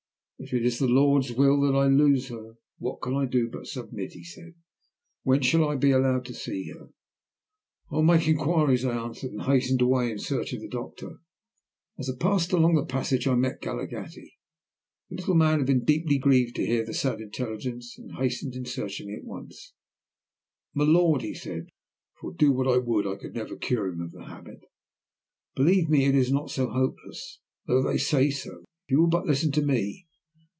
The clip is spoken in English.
"If it is the Lord's will that I lose her, what can I do but submit?" he said. "When shall I be allowed to see her?" "I will make inquiries," I answered, and hastened away in search of the doctor. As I passed along the passage I met Galaghetti. The little man had been deeply grieved to hear the sad intelligence, and hastened in search of me at once. "M'lord," said he, for do what I would I could never cure him of the habit, "believe me it is not so hopeless, though they say so, if you will but listen to me.